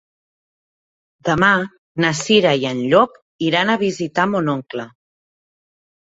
Demà na Cira i en Llop iran a visitar mon oncle.